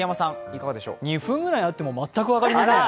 ２分ぐらいあっても全く分かりません。